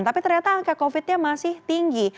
tapi ternyata angka covid nya masih tinggi